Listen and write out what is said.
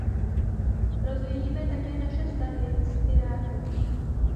Rozvíjíme také naše vztahy s Irákem.